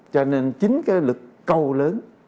cho nên chính cái lực cầu lớn